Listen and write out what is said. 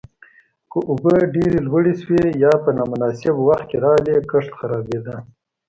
که اوبه ډېره لوړې شوې یا په نامناسب وخت کې راغلې، کښت خرابېده.